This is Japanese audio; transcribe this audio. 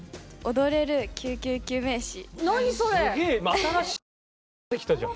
新しいのがまた出てきたじゃん。